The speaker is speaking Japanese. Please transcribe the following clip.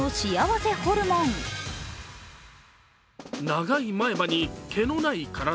長い前歯に毛のない体。